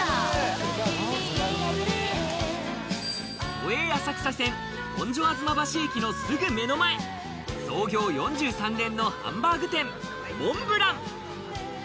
都営浅草線、本所吾妻橋駅のすぐ目の前、創業４３年のハンバーグ店、モンブラン。